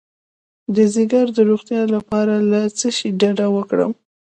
د ځیګر د روغتیا لپاره له څه شي ډډه وکړم؟